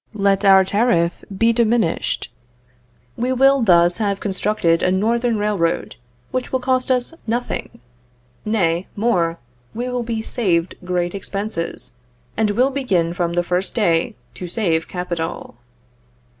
Let our tariff be diminished. We will thus have constructed a Northern Railroad which will cost us nothing. Nay, more, we will be saved great expenses, and will begin from the first day to save capital.